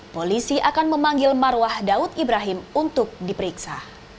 polisi akan memanggil marwah daud ibrahim untuk diperiksa